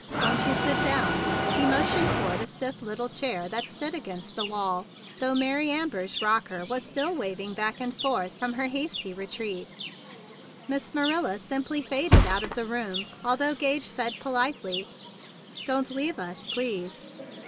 Won't you sit down?" He mo¬ tioned toward a stiff little chair that stood against the wall, though Mary Amber's rocker was still waving back and forth from her hasty retreat. Miss Marilla simply faded out of the room, although Gage said politely, "don't leave us, please."